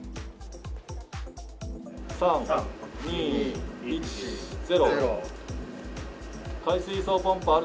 ３、２、１、０。